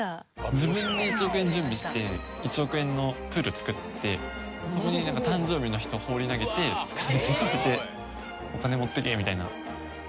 自分で一億円準備して一億円のプールを作ってそこの上に誕生日の人を放り投げて回収させてお金持っていけ！みたいな。